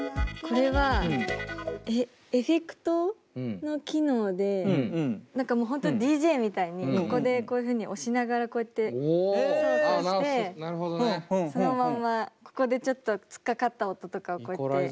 これはエフェクト？の機能で何かもう本当ＤＪみたいにここでこういうふうに押しながらこうやって操作してそのまんまここでちょっと突っかかった音とかをこうやって。